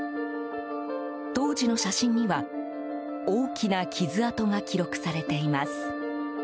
当時の写真には大きな傷跡が記録されています。